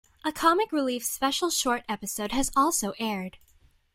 A Comic Relief special short-episode has also aired.